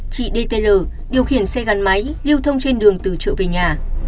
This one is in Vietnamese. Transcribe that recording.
chị dt l điều khiển xe gắn máy lưu thông trên đường từ chợ về nhà